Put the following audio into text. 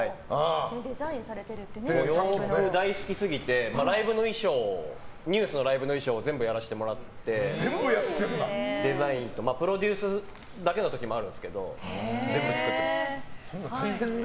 洋服大好きすぎてＮＥＷＳのライブの衣装を全部やらせてもらってデザインとプロデュースだけの時もあるんですけど全部作ってます。